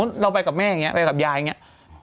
อย่างสิถ้าแม่ไปอย่างนี้เราก็จะไปอย่างนี้